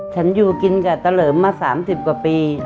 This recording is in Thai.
อยู่กินกับตะเหลิมมา๓๐กว่าปี